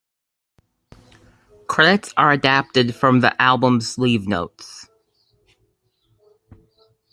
Credits are adapted from the album's sleeve notes.